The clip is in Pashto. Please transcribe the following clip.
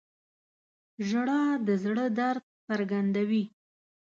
• ژړا د زړه درد څرګندوي.